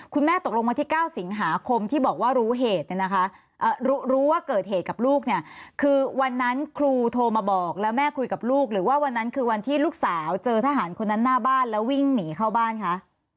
คุณแม่ตกลงวันที่๙สิงหาคมที่บอกว่ารู้เหตุเนี่ยนะคะรู้ว่าเกิดเหตุกับลูกเนี่ยคือวันนั้นครูโทรมาบอกแล้วแม่คุยกับลูกหรือว่าวันนั้นคือวันที่ลูกสาวเจอทหารคนนั้นหน้าบ้านแล้ววิ่งหนีเข้าบ้านคะ